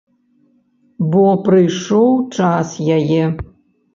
Бо прыйшоў час яе.